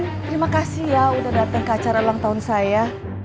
terima kasih ya udah datang ke acara ulang tahun saya